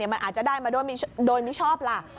มันอาจจะได้มาด้วยโดยมิชอบล่ะ